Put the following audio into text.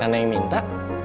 pangeran yang minta